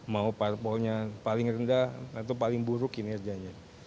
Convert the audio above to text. mau parpolnya paling rendah atau paling buruk kinerjanya